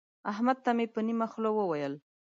احمد ته مې په نيمه خوله وويل.